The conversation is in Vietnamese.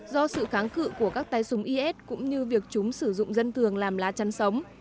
do sự kháng cự của các tay súng is cũng như việc chúng sử dụng dân thường làm lá chắn sống